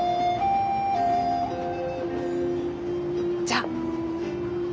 じゃあ。